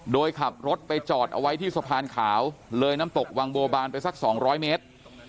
โดยขับรถไปจอดเอาไว้ที่สะพานขาวเลยน้ำตกวังบัวบานไปสัก๒๐๐เมตร